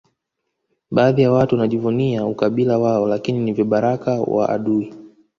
Baadhi ya watu wanajivunia ukabila wao lakini ni vibaraka wa adui